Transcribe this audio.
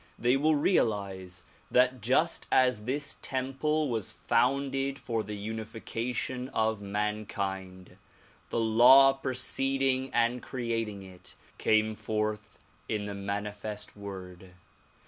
They will realize that just as this temple was founded for the unification of mankind, the law preceding and creating it came forth in the manifest Word.